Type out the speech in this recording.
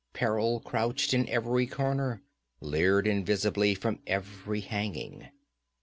Peril crouched in every corner, leered invisibly from every hanging.